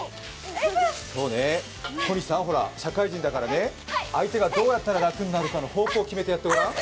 小西さん、社会人だからね、相手がどうやったら楽になるか方向を決めてやってごらん。